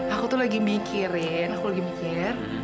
aku tuh lagi mikirin aku lagi mikir